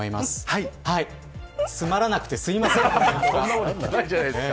つまらなくて、すいません。